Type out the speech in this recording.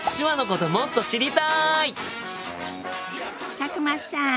佐久間さん！